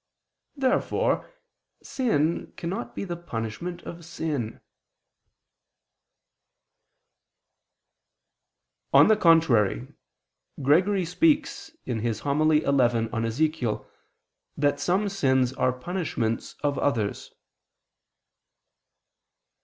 Therefore sin cannot be the punishment of sin. On the contrary, Gregory speaks (Hom. xi in Ezech.) that some sins are punishments of others.